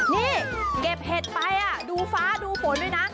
นี่เก็บเห็ดไปดูฟ้าดูฝนด้วยนะ